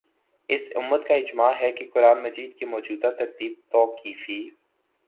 اس امت کا اجماع ہے کہ قرآن مجید کی موجودہ ترتیب توقیفی